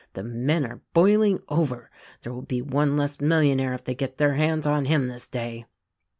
The men are boiling over; there will be one less millionaire if they get their hands on him this day."